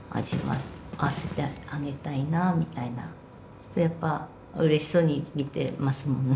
するとやっぱうれしそうに見てますもんね。